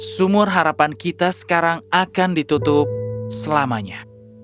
sumur harapan kita sekarang akan ditutup selamanya